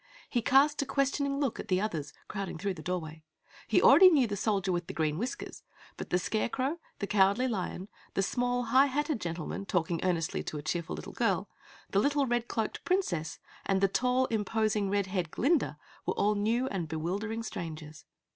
He cast a questioning look at the others, crowding through the doorway. He already knew the Soldier with Green Whiskers, but the Scarecrow, the Cowardly Lion, the small, High Hatted gentleman talking earnestly to a cheerful little girl, the little, red cloaked Princess and the tall, imposing, red haired Glinda were all new and bewildering strangers.